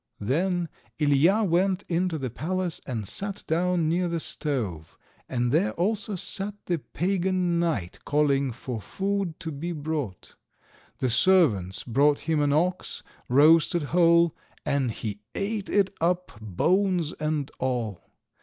Then Ilija went into the palace and sat down near the stove, and there also sat the pagan knight calling for food to be brought. The servants brought him an ox, roasted whole, and he ate it up, bones and all.